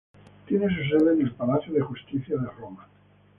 Tiene su sede en el Palacio de Justicia de Roma.